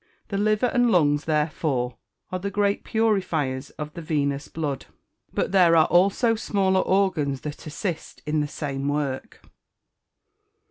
The liver and the lungs, therefore, are the great purifiers of the venous blood. But there are also smaller organs that assist in the same work.